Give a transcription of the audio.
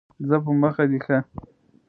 ځه په مخه دي ښه !